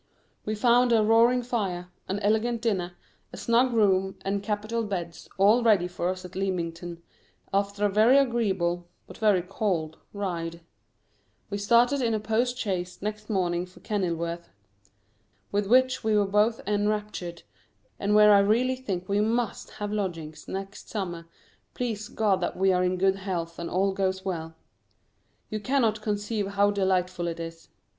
We found a roaring fire, an elegant dinner, a snug room, and capital beds all ready for us at Leamington, after a very agreeable (but very cold) ride. We started in a postchaise next morning for Kenilworth, with which we were both enraptured, and where I really think we MUST have lodgings next summer, please God that we are in good health and all goes well. You cannot conceive how delightful it is.